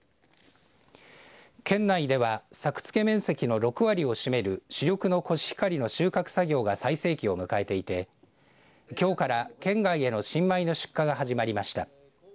県内では作付け面積の６割を占める主力のコシヒカリの収穫作業が最盛期を迎えていてきょうから県外への新米の出荷が始まりました。